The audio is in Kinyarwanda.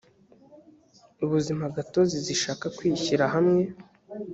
ubuzimagatozi zishaka kwishyira hamwe